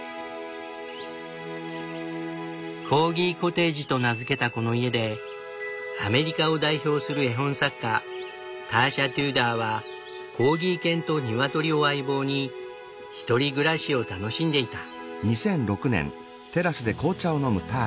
コーギコテージと名付けたこの家でアメリカを代表する絵本作家ターシャ・テューダーはコーギー犬とニワトリを相棒に１人暮らしを楽しんでいた。